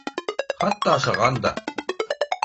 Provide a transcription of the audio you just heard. Хатта ашаған да